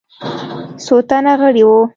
څو تنه غړي وه.